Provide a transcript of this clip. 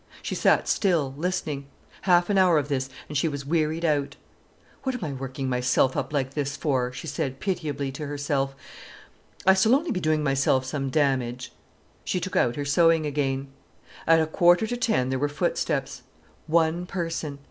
She sat still, listening. Half an hour of this, and she was wearied out. "What am I working myself up like this for?" she said pitiably to herself, "I s'll only be doing myself some damage." She took out her sewing again. At a quarter to ten there were footsteps. One person!